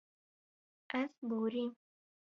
Ez borîm.